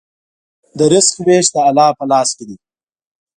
د رزق وېش د الله په لاس کې دی.